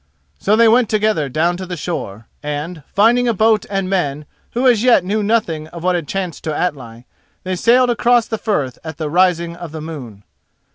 So they went together down to the shore, and, finding a boat and men who as yet knew nothing of what had chanced to Atli, they sailed across the firth at the rising of the moon.